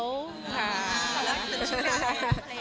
ค่ะ